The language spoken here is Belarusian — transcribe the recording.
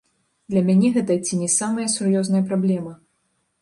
Для мяне гэта ці не самая сур'ёзная праблема.